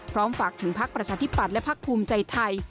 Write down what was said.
พร้อมฝากถึงพักประชาธิปัตย์และพักภูมิใจไทย